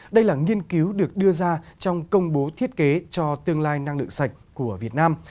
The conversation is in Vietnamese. đây là nghiên cứu được đưa ra trong công bố thiết kế cho tương lai năng lượng sạch của việt nam